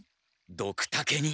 ドクタケに。